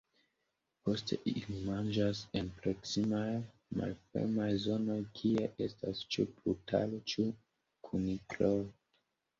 Poste ili manĝas en proksimaj malfermaj zonoj kie estas ĉu brutaro ĉu kunikloj.